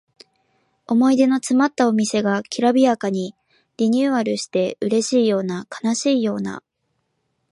思い出のつまったお店がきらびやかにリニューアルしてうれしいような悲しいような